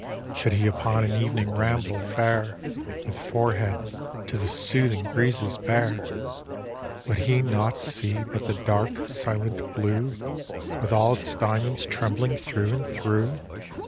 Should he upon an evening ramble fare With forehead to the soothing breezes bare, Would he nought see but the dark, silent blue With all its diamonds trembling through and through